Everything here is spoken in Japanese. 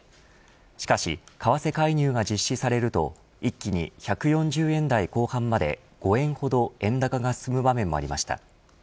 しかし為替介入が実施されると一気に１４０円台後半まで５円ほど円高が進む場面もありました。